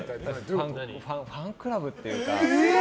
ファンクラブっていうか。